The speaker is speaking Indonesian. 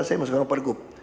saya masuk dengan per gub